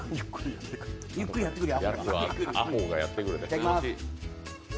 ゆっくりやってくるよ。